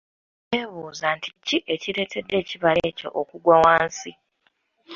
Yebuuza nti ki ekireetedde ekibala ekyo okugwa wansi.